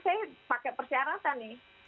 saya pakai persyaratan nih